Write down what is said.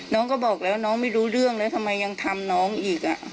น้องก็บอกแล้วน้องไม่รู้เรื่องแล้วทำไมยังทำน้องอีก